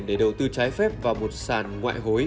để đầu tư trái phép vào một sàn ngoại hối